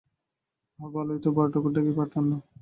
তা ভালোই তো, বড়োঠাকুর ডেকেই পাঠান-না।